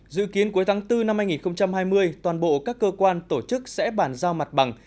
dự kiến cuối tháng bốn năm hai nghìn hai mươi toàn bộ các cơ quan tổ chức sẽ bàn giao mặt bằng